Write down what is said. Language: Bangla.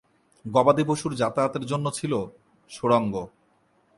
গবাদিপশুর যাতায়াতের জন্য ছিল সুড়ঙ্গ।